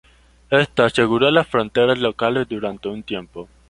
Esto aseguró las fronteras locales durante un tiempo.